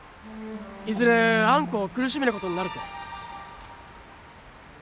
いずれあんこを苦しめることになるて。